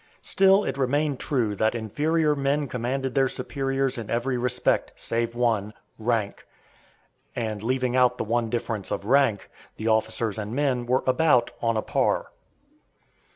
Still it remained true that inferior men commanded their superiors in every respect, save one rank; and leaving out the one difference of rank, the officers and men were about on a par.